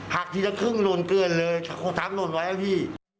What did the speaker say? หักทีละครึ่งโรนเกลือดเลยทั้ง๓โรนไว้แล้วพี่